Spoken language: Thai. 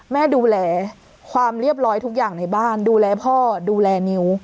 ดูแลความเรียบร้อยทุกอย่างในบ้านดูแลพ่อดูแลนิ้ว